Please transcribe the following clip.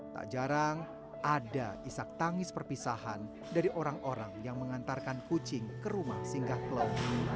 tak jarang ada isak tangis perpisahan dari orang orang yang mengantarkan kucing ke rumah singgah klon